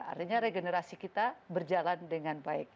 artinya regenerasi kita berjalan dengan baik